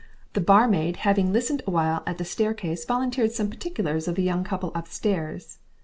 The barmaid having listened awhile at the staircase volunteered some particulars of the young couple upstairs.